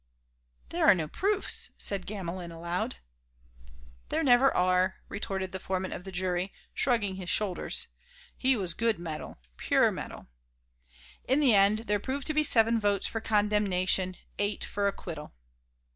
"There are no proofs," said Gamelin, aloud. "There never are," retorted the foreman of the jury, shrugging his shoulders; he was good metal, pure metal! In the end, there proved to be seven votes for condemnation, eight for acquittal.